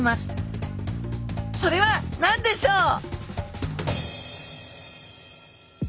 それは何でしょう？